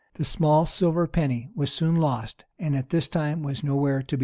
The small silver penny was soon lost, and at this time was nowhere to be found.